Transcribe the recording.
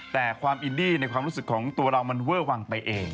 แต่ความอินดี้ในความรู้สึกของตัวเรามันเวอร์วังไปเอง